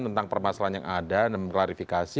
tentang permasalahan yang ada dan mengklarifikasi